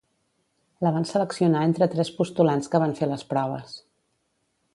La van seleccionar entre tres postulants que van fer les proves.